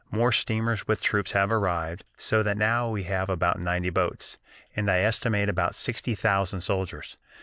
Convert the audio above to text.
More steamers with troops have arrived, so that now we have about ninety boats, and I estimate about sixty thousand soldiers.